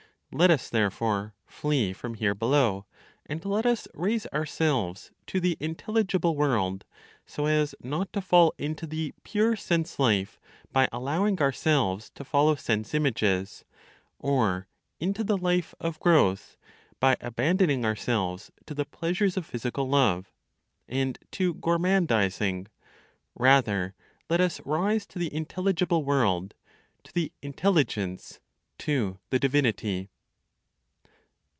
Let us therefore flee from here below, and let us raise ourselves to the intelligible world, so as not to fall into the pure sense life, by allowing ourselves to follow sense images, or into the life of growth, by abandoning ourselves to the pleasures of physical love, and to gormandizing; rather, let us rise to the intelligible world, to the intelligence, to the divinity!